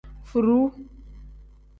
Furuu.